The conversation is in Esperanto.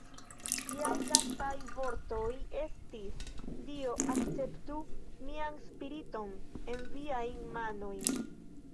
Liaj lastaj vortoj estis: "Dio, akceptu mian spiriton en Viajn manojn!".